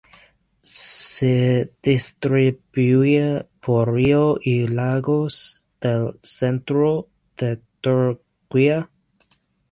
Se distribuía por río y lagos del centro de Turquía.